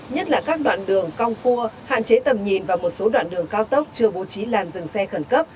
nhất là các đoạn đường cong cua hạn chế tầm nhìn và một số đoạn đường cao tốc chưa bố trí làn dừng xe khẩn cấp